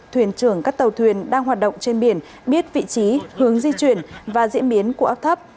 thuyền trưởng các tàu thuyền đang hoạt động trên biển biết vị trí hướng di chuyển và diễn biến của áp thấp